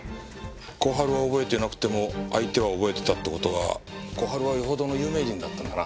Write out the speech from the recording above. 小春は覚えてなくても相手は覚えてたって事は小春は余程の有名人だったんだな。